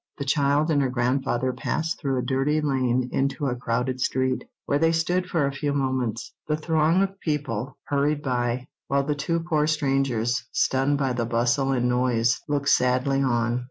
The child and her grandfather passed through a dirty lane into a crowded street, where they stood for a few moments. The throng of people hurried by, while the two poor strangers, stunned by the bustle and noise, looked sadly on.